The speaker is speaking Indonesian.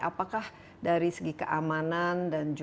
apakah dari segi keamanan